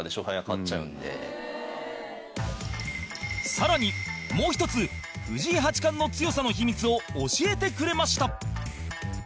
更に、もう１つ藤井八冠の強さの秘密を教えてくれました